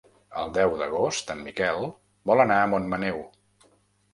El deu d'agost en Miquel vol anar a Montmaneu.